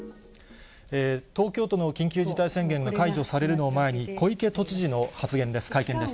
東京都の緊急事態宣言が解除されるのを前に、小池都知事の発言です。